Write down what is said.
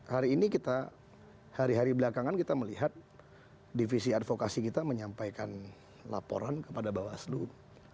hari ini kita hari hari belakangan kita melihat divisi advokasi kita menyampaikan laporan kepada bawaslu